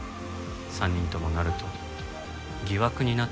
３人ともなると疑惑になってしまいます。